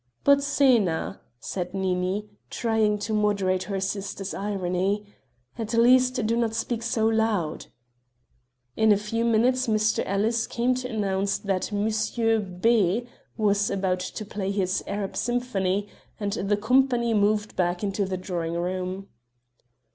"But Xena," said Nini, trying to moderate her sister's irony, "at least do not speak so loud." In a few minutes Mr. Ellis came to announce that Monsieur B. was about to play his 'Arab symphony,' and the company moved back into the drawing room.